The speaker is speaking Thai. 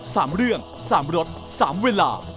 สามเรื่องสามรถสามเวลา